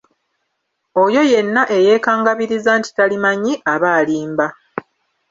Oyo yenna eyeekangabiriza nti talimanyi aba alimba.